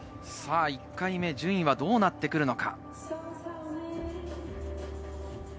１回目はどうなってくるのか？